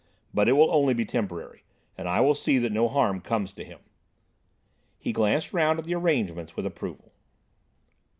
"But it will only be temporary, and I will see that no harm comes to him." He glanced round at the arrangements with approval.